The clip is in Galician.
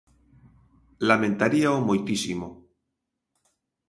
Lamentaríao moitísimo.